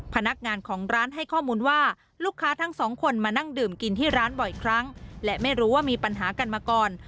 พนักงานของร้านให้ข้อมูลว่าลูกค้าทั้งสองคนมานั่งดื่มกินที่ร้านบ่อยครั้งและไม่รู้ว่ามีปัญหากันมาก่อน